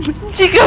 aku benar benci kamu